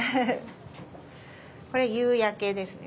これ夕焼けですね